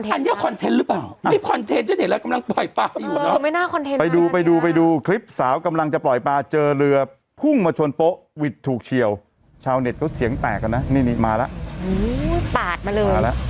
เหลือช่วยเหลือช่วยเหลือช่วยเหลือช่วยเหลือช่วยเหลือช่วยเหลือช่วยเหลือช่วยเหลือช่วยเหลือช่วยเหลือ